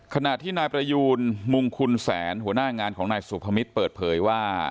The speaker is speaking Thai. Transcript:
ขณะที่นายประยูนมุงคุณแสนหัวหน้างานของนายสุพมิตรเปิดเผยว่า